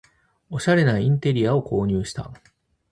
おしゃれなインテリアを購入した